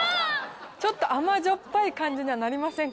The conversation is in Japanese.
ちょっと甘じょっぱい感じにはなりませんか？